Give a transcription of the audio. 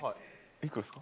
いくらですか？